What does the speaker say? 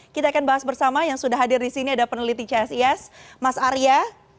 kita akan bahas bersama yang sudah hadir di sini ada peneliti csis mas arya